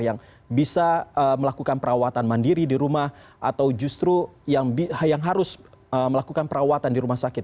yang bisa melakukan perawatan mandiri di rumah atau justru yang harus melakukan perawatan di rumah sakit